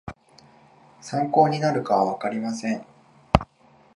参考になるかはわかりません